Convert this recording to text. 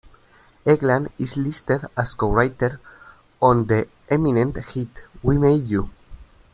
Egan is listed as co-writer on the Eminem hit "We Made You".